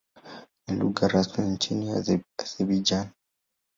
Ni lugha rasmi nchini Azerbaijan.